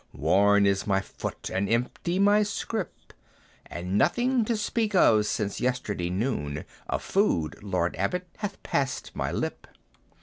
Worn is my foot, and empty my scrip; And nothing to speak of since yesterday noon Of food, Lord Abbot, hath passed my lip.